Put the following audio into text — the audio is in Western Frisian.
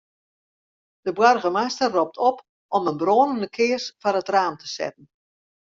De boargemaster ropt op om in brânende kears foar it raam te setten.